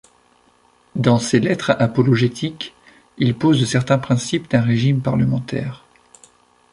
Dans ses Lettres apologétiques, il pose certains principes d’un régime parlementaire.